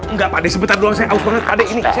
enggak pakde sebentar doang saya aus banget pakde ini